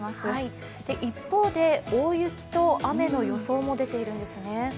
一方で、大雪と雨の予想も出ているんですね。